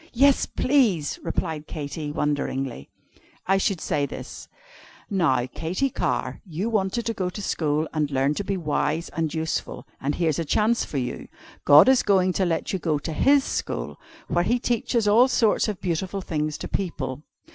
"Yes, please!" replied Katy wonderingly. "I should say this: 'Now, Katy Carr, you wanted to go to school and learn to be wise and useful, and here's a chance for you. God is going to let you go to His school where He teaches all sorts of beautiful things to people.